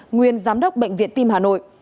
nguyên giám đốc bệnh viện tim hà nội